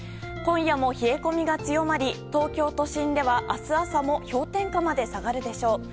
今夜も冷え込みが強まり東京都心では明日朝も氷点下まで下がるでしょう。